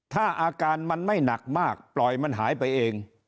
ถ้าอาการมันไม่หนักมากปล่อยมันหายไปเอง